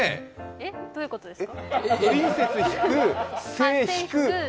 どういうことですか？